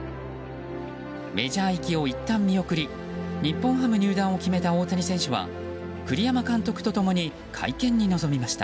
メジャー行きをいったん見送り日本ハム入団を決めた大谷選手は栗山監督と共に会見に臨みました。